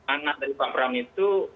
anak dari pak bram itu